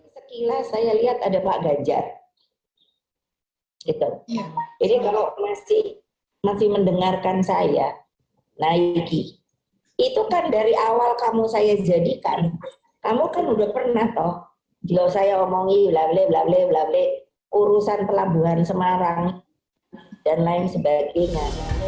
sekilas saya lihat ada pak ganjar ini kalau masih mendengarkan saya itu kan dari awal kamu saya jadikan kamu kan sudah pernah toh jika saya omongi blablabla urusan pelabuhan semarang dan lain sebagainya